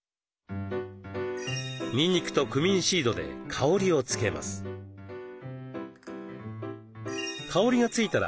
にんにくとクミンシードで香りを付けます。